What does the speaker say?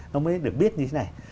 nó mới được biết như thế này